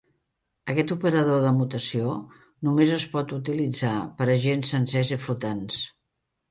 Aquest operador de mutació només es pot utilitzar per a gens sencers i flotants.